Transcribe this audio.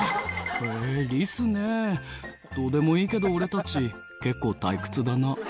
「へぇリスねどうでもいいけど俺たち結構退屈だな」